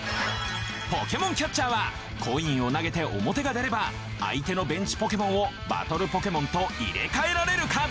ポケモンキャッチャーはコインを投げてオモテが出れば相手のベンチポケモンをバトルポケモンと入れ替えられるカード。